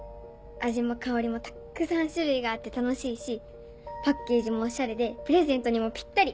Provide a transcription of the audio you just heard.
味も香りもたっくさん種類があって楽しいしパッケージもオシャレでプレゼントにもピッタリ。